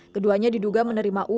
keduanya diduga menerima uang